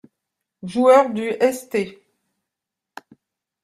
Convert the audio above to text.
Joueur du St.